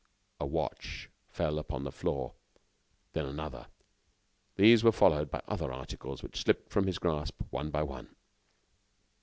A watch fell upon the floor; then another. These were followed by other articles which slipped from his grasp one by one.